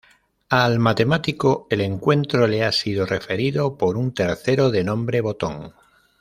Al Matemático el encuentro le ha sido referido por un tercero de nombre Botón.